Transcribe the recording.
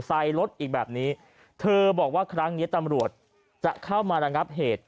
ใส่รถอีกแบบนี้เธอบอกว่าครั้งนี้ตำรวจจะเข้ามาระงับเหตุ